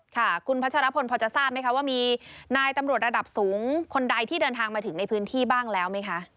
ค่ะคุณพัชรพลพอจะทราบไหมคะว่ามีนายตำรวจระดับสูงคนใดที่เดินทางมาถึงในพื้นที่บ้างแล้วไหมคะ